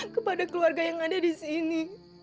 kepada keluarga yang ada di sini